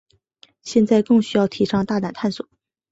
现在更需要提倡大胆探索。